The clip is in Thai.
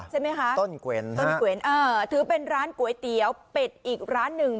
ใช่ไหมคะต้นเกวนต้นเกวนเออถือเป็นร้านก๋วยเตี๋ยวเป็ดอีกร้านหนึ่ง